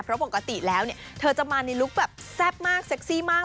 เพราะปกติแล้วเนี่ยเธอจะมาในลุคแบบแซ่บมากเซ็กซี่มาก